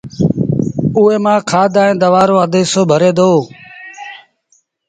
اُئي مآݩ کآڌ ائيٚݩ دوآ رو اڌ هسو ڀري دو